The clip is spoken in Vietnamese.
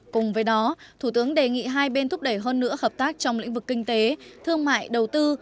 cùng với đó thủ tướng đề nghị hai bên thúc đẩy hơn nữa hợp tác trong lĩnh vực kinh tế thương mại đầu tư